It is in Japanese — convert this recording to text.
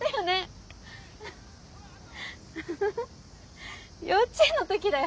フフフ幼稚園の時だよ。